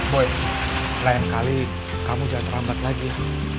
boy lain kali kamu jangan terlambat lagi